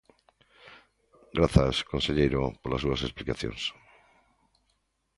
Grazas, conselleiro, polas súas explicacións.